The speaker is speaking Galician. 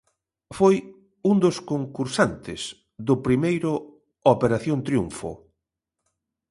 Foi un dos concursantes do primeiro 'Operación Triunfo'.